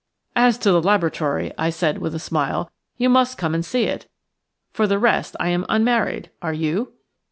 "As to the laboratory," I said, with a smile, "you must come and see it. For the rest I am unmarried. Are you?"